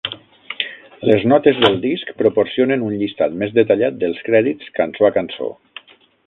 Les notes del disc proporcionen un llistat més detallat dels crèdits cançó a cançó.